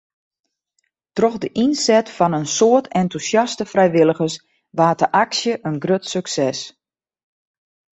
Troch de ynset fan in soad entûsjaste frijwilligers waard de aksje in grut sukses.